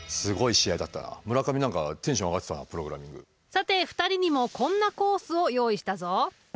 さて２人にもこんなコースを用意したぞ。